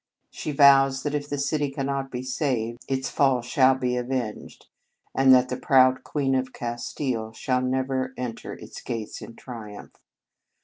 She vows that if the city cannot be saved, its fall shall be avenged, and that the proud Queen of Castile shall never enter its gates in triumph.